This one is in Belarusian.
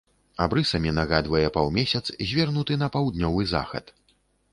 Абрысамі нагадвае паўмесяц, звернуты на паўднёвы захад.